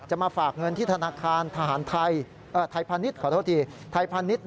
จะมาฝากเงินที่ธนาคารไทยพันนิษฐ์